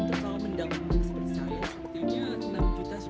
untuk kalau mendangung seperti saya sepertinya enam juta sudah lebih dari lima juta